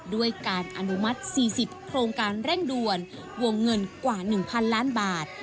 ด้วยการอนุมัติ๔๐โครงการเร่งด่วนวงเงินกว่า๑๐๐ล้านบาท